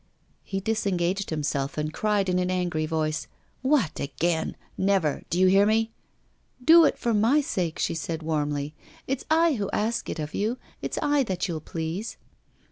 He disengaged himself, and cried in an angry voice: 'What, again! Never! do you hear me?' 'Do it for my sake,' she said, warmly. 'It's I who ask it of you, it's I that you'll please.